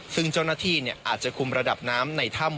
ซึ่งเจ้าหน้าที่อาจจะคุมระดับน้ำในถ้ำ